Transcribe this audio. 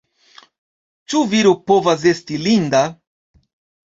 Ĉu viro povas esti linda?